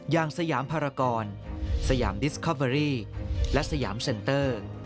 อย่างสยามภารกรสยามดิสคอเบอรี่และสยามเซ็นเตอร์